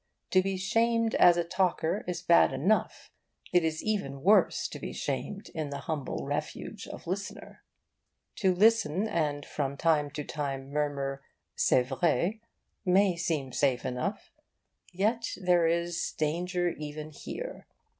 To be shamed as a talker is bad enough; it is even worse to be shamed in the humble refuge of listener. To listen and from time to time murmur 'C'est vrai' may seem safe enough; yet there is danger even here.